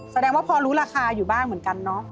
แสดงว่าพอรู้ราคาอยู่บ้างเหมือนกันเนาะ